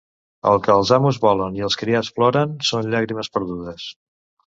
El que els amos volen i els criats ploren, són llàgrimes perdudes.